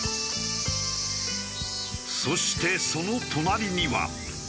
そしてその隣には。